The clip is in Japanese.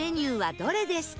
どれですか？